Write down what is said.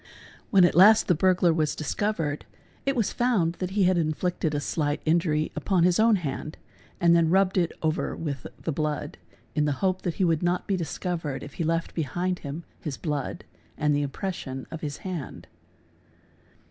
When at last the burglar was discovered it was found that he had inflicted a slight injury upon his own hand and then rubbed it over with the blood in the hope that he would not be discovered if he left behind him his blood and the impression of his hand.